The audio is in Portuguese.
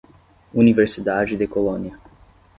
Universidade de Colônia.